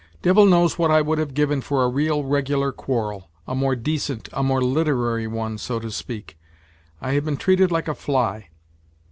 Devil knows what I would have given for a real regular quarrel a more decent, a more literary one, so to speak. I had been treated like a fly.